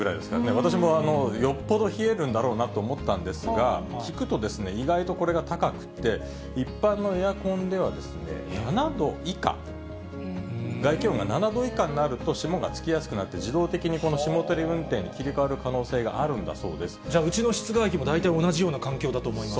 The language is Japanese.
私もよっぽど冷えるんだろうなと思ったんですが、聞くと、意外とこれが高くて、一般のエアコンでは７度以下、外気温が７度以下になると、霜がつきやすくなって、自動的にこの霜取り運転に切り替わる可能じゃあ、うちの室外機も大体同じような環境だと思います。